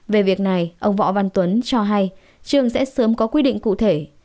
về việc này ông võ văn tuấn cho hay trường sẽ sớm có quy định cụ thể